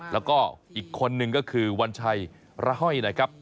แล้วก็อีกคนนึงก็คือวันชัยระห้อยนะครับ